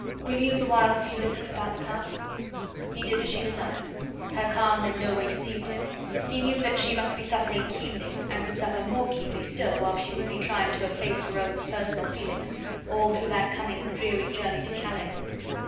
Will you the while see Lucas about the cart?" He did as she desired. Her calm in no way deceived him; he knew that she must be suffering keenly, and would suffer more keenly still while she would be trying to efface her own personal feelings all through that coming dreary journey to Calais.